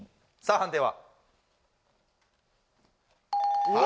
判定は？